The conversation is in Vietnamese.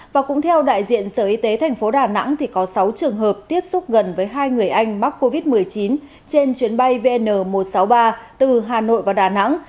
và cũng theo đại diện sở y tế thành phố đà nẵng thì có sáu trường hợp tiếp xúc gần với hai người anh mắc covid một mươi chín trên chuyến bay vn một trăm sáu mươi ba từ hà nội vào đà nẵng